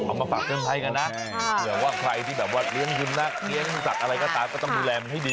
มาฝากเตือนภัยกันนะเผื่อว่าใครที่แบบว่าเลี้ยงสุนัขเลี้ยงสัตว์อะไรก็ตามก็ต้องดูแลมันให้ดี